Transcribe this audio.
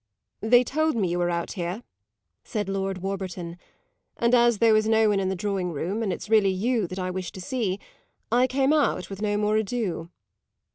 "They told me you were out here," said Lord Warburton; "and as there was no one in the drawing room and it's really you that I wish to see, I came out with no more ado."